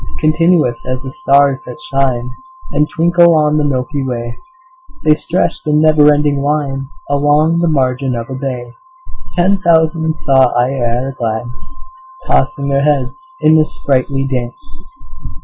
Continuous as the stars that shine And twinkle on the milky way, The stretched in never ending line Along the margin of a bay: Ten thousand saw I at a glance, Tossing their heads in sprightly dance.